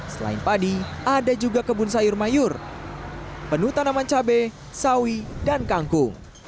selain padi ada juga kebun sayur mayur penuh tanaman cabai sawi dan kangkung